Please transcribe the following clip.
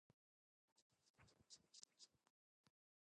He holds almost all the Canterbury wicketkeeping records.